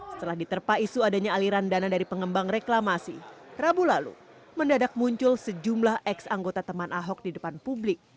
setelah diterpa isu adanya aliran dana dari pengembang reklamasi rabu lalu mendadak muncul sejumlah ex anggota teman ahok di depan publik